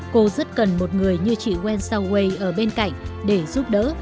cô rất cần một người như chị gwen soutway ở bên cạnh để giúp đỡ